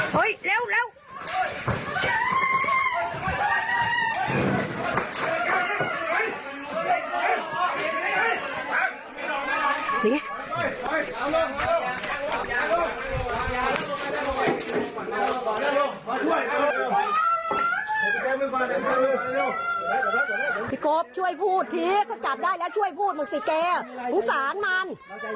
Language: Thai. พี่กบช่วยพูดทีก็จับได้แล้วช่วยพูดมึงสิแกสงสารมัน